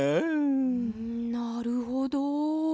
なるほど。